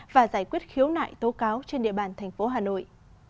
và giải quyết khiếu nại tố cáo trên địa bàn thành phố hà nội